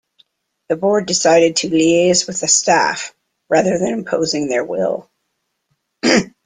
The board decided to liaise with the staff rather than imposing their will.